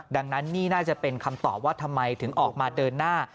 ดังนั้นนี่น่าจะเป็นคำตอบว่าทำไมถึงออกมาเดินหน้า